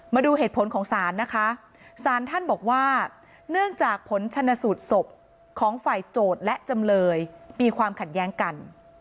มาดูเหตุผลของศาลนะคะสารท่านบอกว่าเนื่องจากผลชนสูตรศพของฝ่ายโจทย์และจำเลยมีความขัดแย้งกัน